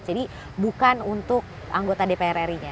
jadi bukan untuk anggota dprr nya